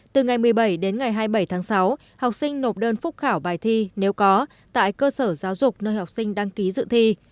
từ ngày một mươi bảy đến ngày hai mươi bảy tháng sáu học sinh nộp đơn phúc khảo bài thi nếu có tại cơ sở giáo dục nơi học sinh đăng ký dự thi